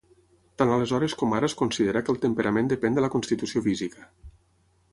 Tant aleshores com ara es considera que el temperament depèn de la constitució física.